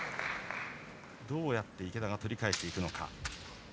どうやって池田が取り返していくか。